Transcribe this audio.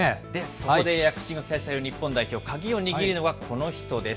そこで躍進が期待される日本代表、鍵を握るのがこの人です。